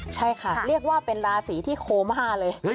ใช่ค่ะเรียกว่าเป็นราศีที่โคม่าเลย